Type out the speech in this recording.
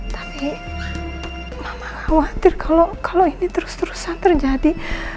tapi mama khawatir kalo ini terus terusan terjadi